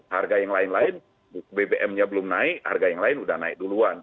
harga yang lain lain bbm nya belum naik harga yang lain sudah naik duluan